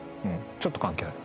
ちょっと関係ある。